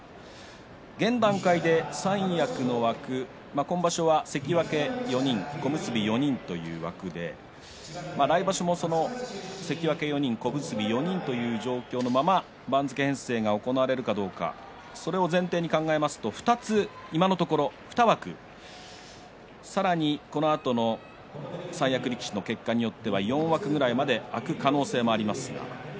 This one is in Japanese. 現段階で三役の枠今場所は関脇４人小結４人という枠で来場所も関脇４人小結４人という形で番付編成が行われるかどうか分かりませんが今のところ２枠さらに、このあとの三役力士の結果によっては４枠くらい空く可能性があります。